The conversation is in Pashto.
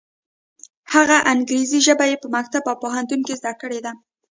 هغه انګریزي ژبه یې په مکتب او پوهنتون کې زده کړې ده.